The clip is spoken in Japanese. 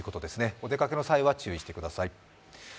お出かけの際は注意してください。